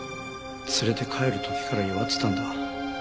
連れて帰る時から弱ってたんだ。